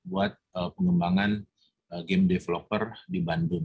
buat pengembangan game developer di bandung